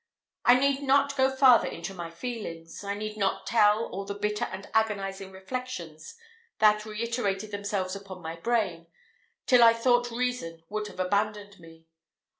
I need not go farther into my feelings I need not tell all the bitter and agonising reflections that reiterated themselves upon my brain, till I thought reason would have abandoned me.